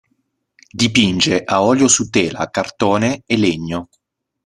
Dipinge a olio su tela, cartone e legno.